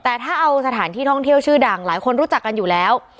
แต่ถ้าเอาสถานที่ท่องเที่ยวชื่อดังหลายคนรู้จักกันอยู่แล้ว